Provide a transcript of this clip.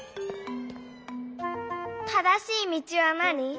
正しい道は何？